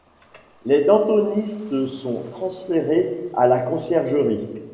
Les Dantonistes sont transférés à la Conciergerie.